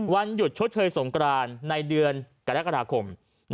วันหยุดชดเชยสงกรานในเดือนกรกฎาคม